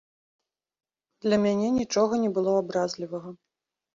Для мяне нічога не было абразлівага.